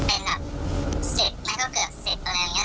อาจจะไม่ได้เห็นชัดแล้ว